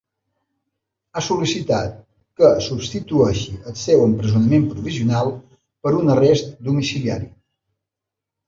Ha sol·licitat que substitueixi el seu empresonament provisional per un arrest domiciliari.